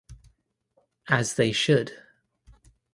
As they should.